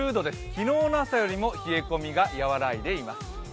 昨日の朝よりも冷え込みが和らいでいます。